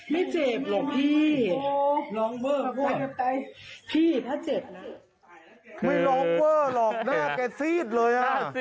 ไม่ร้องเวอร์หรอกหน้าแกซีดเลย